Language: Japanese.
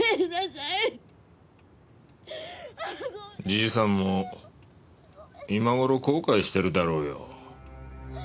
じいさんも今頃後悔してるだろうよ。